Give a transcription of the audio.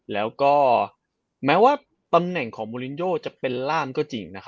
แล้วก็แม้ว่าตำแหน่งของมูลินโยจะเป็นล่ามก็จริง